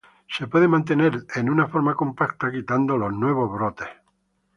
Puede ser mantenido en una forma compacta quitando los nuevos brotes.